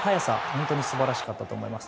本当に素晴らしかったと思います。